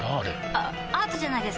あアートじゃないですか？